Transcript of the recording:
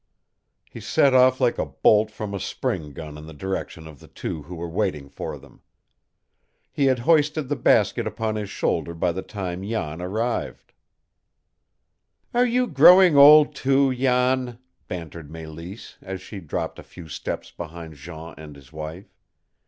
He set off like a bolt from a spring gun in the direction of the two who were waiting for them. He had hoisted the basket upon his shoulder by the time Jan arrived. "Are you growing old, too, Jan?" bantered Mélisse, as she dropped a few steps behind Jean and his wife.